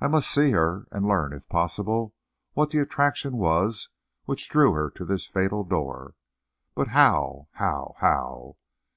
I must see her, and learn, if possible, what the attraction was which drew her to this fatal door. But how, how, how?